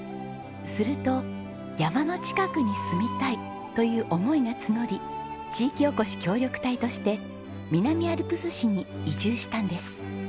すると「山の近くに住みたい」という思いが募り地域おこし協力隊として南アルプス市に移住したんです。